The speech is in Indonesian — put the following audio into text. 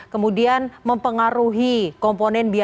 kemudian mempengaruhi komponen perusahaan